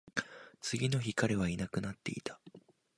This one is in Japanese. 次の日、彼はいなくなっていた